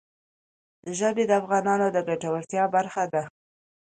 ژبې د افغانانو د ګټورتیا برخه ده.